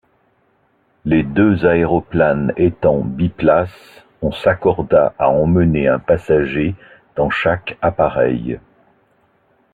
Les deux aéroplanes étant biplaces, on s’accorda à emmener un passager dans chaque appareil.